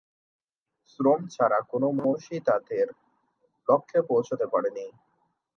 শ্রম ছাড়া কোনো মনীষীই তাদের লক্ষ্যে পৌছতে পারেননি।